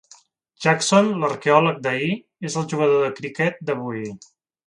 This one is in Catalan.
Jackson, l"arqueòleg d"ahir, és el jugador de criquet d"avui.